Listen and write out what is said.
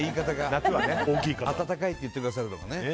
夏は温かいって言ってくださるのが。